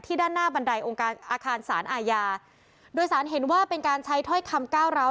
ด้านหน้าบันไดองค์การอาคารสารอาญาโดยสารเห็นว่าเป็นการใช้ถ้อยคำก้าวร้าว